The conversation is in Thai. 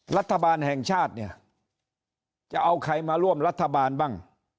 รัฐบาลแห่งชาติเนี่ยจะเอาใครมาร่วมรัฐบาลบ้าง